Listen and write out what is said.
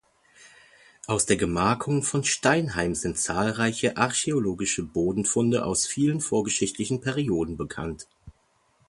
Aus der Gemarkung von Steinheim sind zahlreiche archäologische Bodenfunde aus vielen vorgeschichtlichen Perioden bekannt.